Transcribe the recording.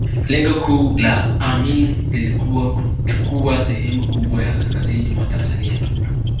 Lengo kuu la Amin lilikuwa kuchukua sehemu kubwa ya kaskazini mwa Tanzania